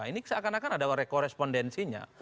ini seakan akan ada korespondensinya